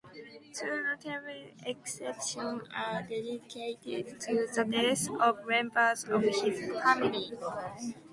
Two notable exceptions are dedicated to the death of members of his family.